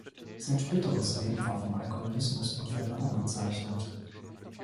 Sein späteres Leben war vom Alkoholismus und Verwirrung gezeichnet.